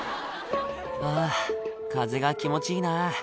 「あ風が気持ちいいな」